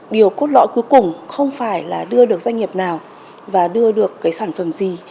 điều cốt lõi cuối cùng không phải là đưa được doanh nghiệp nào và đưa được cái sản phẩm gì